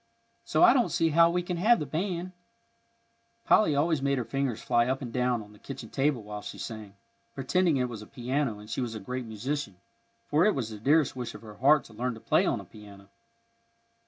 So I don't see how we can have the band." Polly always made her fingers fly up and down on the kitchen table while she sang, pretending it was a piano and she was a great musician, for it was the dearest wish of her heart to learn to play on a piano.